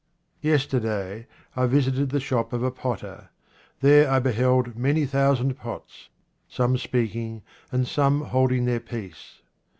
Yesterday I visited the shop of a potter ; there I beheld many thousand pots, some speaking, and some holding their peace.